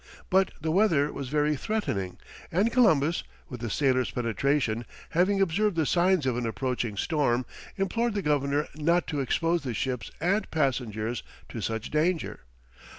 But the weather was very threatening, and Columbus, with a sailor's penetration, having observed the signs of an approaching storm, implored the governor not to expose the ships and passengers to such danger.